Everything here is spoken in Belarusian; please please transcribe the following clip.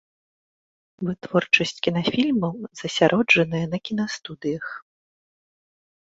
Вытворчасць кінафільмаў засяроджанае на кінастудыях.